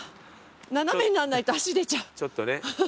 斜めになんないと足出ちゃう。